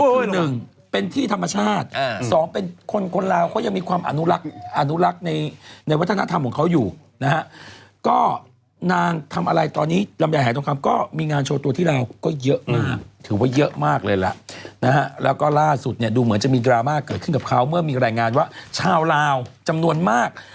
คือหนึ่งเป็นที่ธรรมชาติสองเป็นคนคนลาวเขายังมีความอนุรักษ์ในวัฒนธรรมของเขาอยู่นะฮะก็นางทำอะไรตอนนี้ลำไยหายทองคำก็มีงานโชว์ตัวที่ลาวก็เยอะมากถือว่าเยอะมากเลยล่ะนะฮะแล้วก็ล่าสุดเนี่ยดูเหมือนจะมีดราม่าเกิดขึ้นกับเขาเมื่อมีรายงานว่าชาวลาวจำนวนมาก